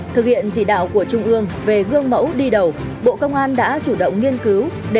thực hiện chỉ đạo của trung ương về gương mẫu đi đầu bộ công an đã chủ động nghiên cứu